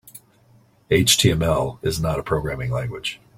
HTML is not a programming language.